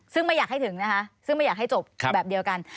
ซึ่งไม่อยากให้ถึงนะคะซึ่งไม่อยากให้จบแบบเดียวกัน